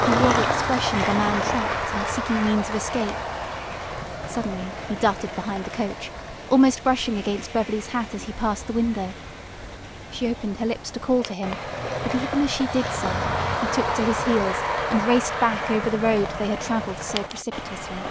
He wore the expression of a man trapped and seeking means of escape. Suddenly he darted behind the coach, almost brushing against Beverly's hat as he passed the window. She opened her lips to call to him, but even as she did so he took to his heels and raced back over the road they had traveled so precipitously.